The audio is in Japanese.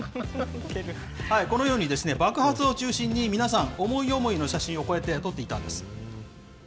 このように爆発を中心に、皆さん、思い思いの写真をこうやって撮っていたんです。